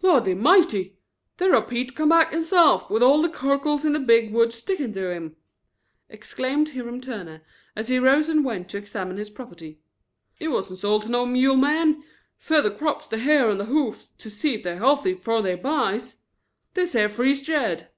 "Lordy mighty, that are Pete come back hisself with all the curkles in the big woods sticking to him!" exclaimed Hiram Turner, as he rose and went to examine his property. "He wasn't sold to no mule man, fer they crops the hair on their hoofs to see if they's healthy 'fore they buys. This here frees Jed."